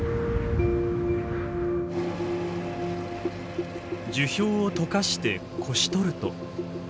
樹氷を解かしてこし取ると。